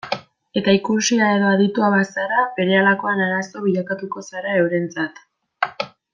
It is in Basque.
Eta ikusia edo aditua bazara, berehalakoan arazo bilakatuko zara eurentzat.